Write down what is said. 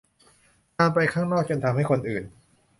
การไปข้างนอกจนทำให้คนอื่น